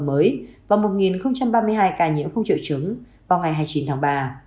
mới và một ba mươi hai ca nhiễm không triệu chứng vào ngày hai mươi chín tháng ba